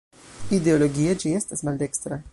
Ideologie ĝi estas maldekstra.